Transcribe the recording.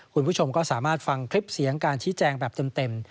คุณผู้ชมก็สามารถฟังคลิปเสียงการชี้แจงแบบเต็ม